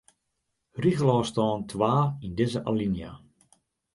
Rigelôfstân twa yn dizze alinea.